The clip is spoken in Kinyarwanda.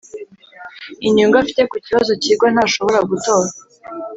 inyungu afite ku kibazo cyigwa ntashobora gutora